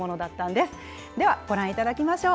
では、ご覧いただきましょう。